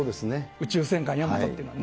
宇宙戦艦ヤマトっていうのは。